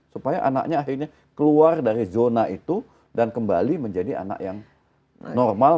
supaya anaknya akhirnya keluar dari zona itu dan kembali menjadi anak yang normal